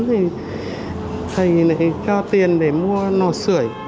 thì thầy lại cho tiền để mua nọ sửa